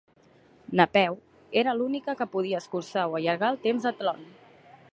Napeu era l'única que podia escurçar o allargar el temps a Tlön.